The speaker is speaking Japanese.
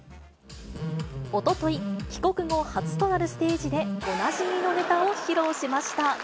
おととい、帰国後、初となるステージで、おなじみのネタを披露しました。